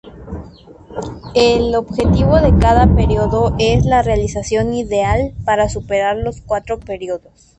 El objetivo de cada periodo es la "realización ideal" para superar los cuatro periodos.